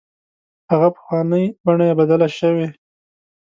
هغه پخوانۍ بڼه یې بدله شوې.